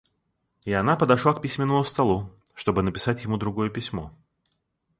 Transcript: И она подошла к письменному столу, чтобы написать ему другое письмо.